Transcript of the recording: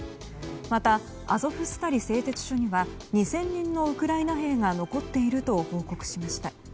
また、アゾフスタリ製鉄所には２０００人のウクライナ兵が残っていると報告しました。